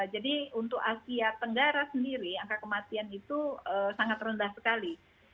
untuk asia tenggara sendiri angka kematian itu sangat rendah sekali